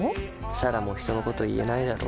彩良も人のこと言えないだろ。